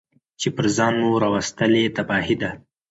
چي پر ځان مو راوستلې تباهي ده